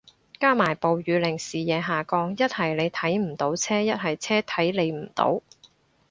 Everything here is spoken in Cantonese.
加埋暴雨令視野下降，一係你睇唔到車，一係車睇你唔到